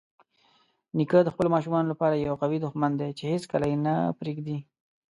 نیکه د خپلو ماشومانو لپاره یوه قوي دښمن دی چې هیڅکله یې نه پرېږدي.